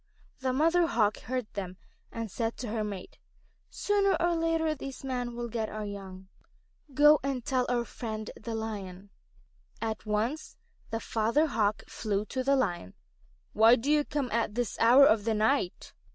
The Mother Hawk heard them, and said to her mate: "Sooner or later these men will get our young. Do go and tell our friend the Lion." At once the Father Hawk flew to the Lion. "Why do you come at this hour of the night?"